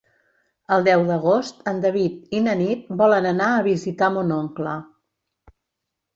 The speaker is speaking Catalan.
El deu d'agost en David i na Nit volen anar a visitar mon oncle.